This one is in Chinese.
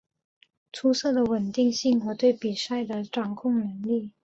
出色的稳定性和对比赛的掌控能力。